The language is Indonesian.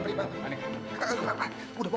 sini sempat sempat